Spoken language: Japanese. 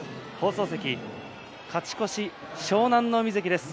勝ち越し、湘南乃海関です。